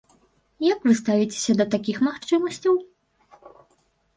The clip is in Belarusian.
Як вы ставіцеся да такіх магчымасцяў?